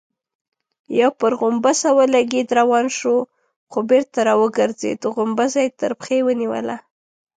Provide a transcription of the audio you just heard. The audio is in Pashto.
يو پر غومبسه ولګېد، روان شو، خو بېرته راوګرځېد، غومبسه يې تر پښې ونيوله.